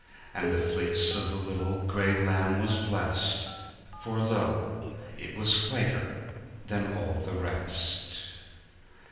And the fleece of the little gray lamb was blest: For, lo! it was whiter than all the rest!